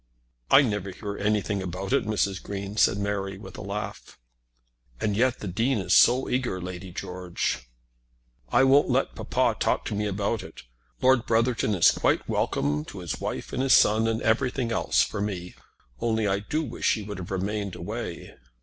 "I never hear anything about it, Mrs. Green," said Mary, with a laugh. "And yet the Dean is so eager, Lady George!" "I won't let papa talk to me about it. Lord Brotherton is quite welcome to his wife and his son, and everything else for me only I do wish he would have remained away."